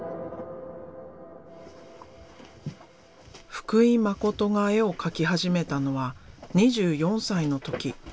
福井誠が絵を描き始めたのは２４歳の時。